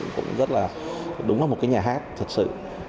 cũng rất là đúng là một cái nhà hát thật sự